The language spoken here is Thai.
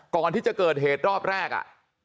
ก่อนที่จะเกิดเหตุรอบแรกอ่ะ